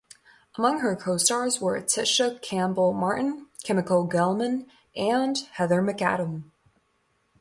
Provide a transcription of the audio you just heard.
Among her co-stars were Tisha Campbell-Martin, Kimiko Gelman, and Heather McAdam.